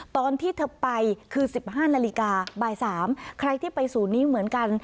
ตอนที่เธอไปคือ๑๕นาฬิกาบ่าย๓ใครที่ไปศูนย์นี้เหมือนกัน